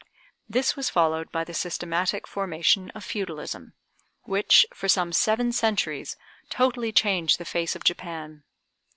This was followed by the systematic formation of feudalism, which, for some seven centuries, totally changed the face of Japan.